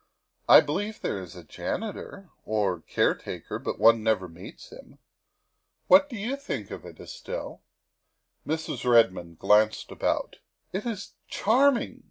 " I believe there is a janitor, or caretaker, but one never meets him. What do you think of it, Estelle?" Mrs. Redmond glanced about. "It is charming!"